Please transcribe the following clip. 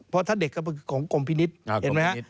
เพราะถ้าเด็กก็คือกลมพินิษฐ์เห็นมั้ย